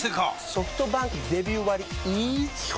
ソフトバンクデビュー割イズ基本